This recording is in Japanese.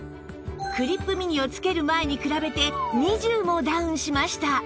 クリップ・ミニをつける前に比べて２０もダウンしました